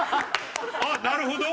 あっなるほど。